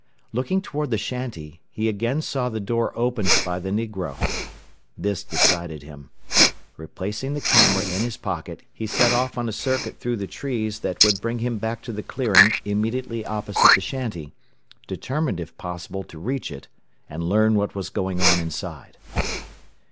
Looking toward the shanty, he again saw the door opened by the negro. This decided him. Replacing the camera in his pocket, he set off on a circuit through the trees that would bring him back to the clearing immediately opposite the shanty, determined if possible to reach it, and learn what was going on inside.